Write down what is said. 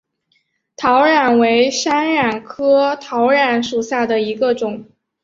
桃榄为山榄科桃榄属下的一个种。